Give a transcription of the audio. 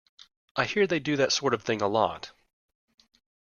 I hear they do that sort of thing a lot.